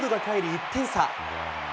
１点差。